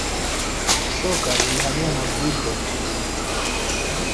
soka lilihamia madrid kwa kipindi hicho